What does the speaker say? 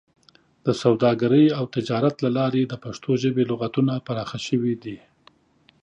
د سوداګرۍ او تجارت له لارې د پښتو ژبې لغتونه پراخه شوي دي.